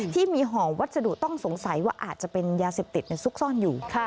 ที่มีห่อวัสดุต้องสงสัยว่าอาจจะเป็นยาเสพติดซุกซ่อนอยู่